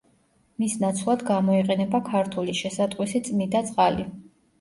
მის ნაცვლად გამოიყენება ქართული შესატყვისი „წმიდა წყალი“.